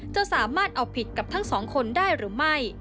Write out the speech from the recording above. จะสามารถเอาผิดกับทั้งสองคนได้หรือไม่